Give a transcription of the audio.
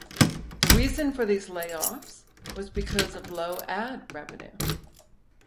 The reason for these layoffs was because of low ad revenue.